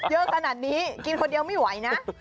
เยอะขนาดนี้กินคนเดียวไม่ไหวนะ